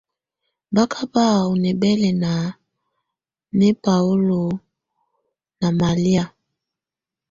Ba ka bà ɔ̀ nɛ̀bɛlɛna nɛ paolo nà malɛ̀á.